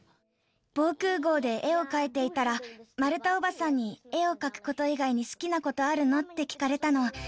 防空ごうで絵を描いていたら、マルタおばさんに絵を描くこと以外に好きなことあるの？って聞かれたの。